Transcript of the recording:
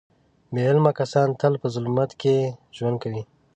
بې علمه کسان تل په ظلمت کې ژوند کوي.